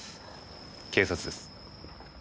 警察です。